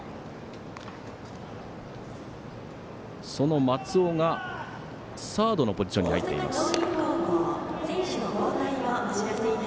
その松尾がサードのポジションに入っています。